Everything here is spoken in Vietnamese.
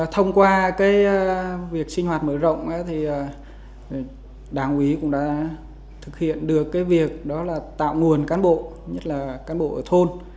thông qua việc sinh hoạt mở rộng thì đảng ủy cũng đã thực hiện được việc đó là tạo nguồn cán bộ nhất là cán bộ ở thôn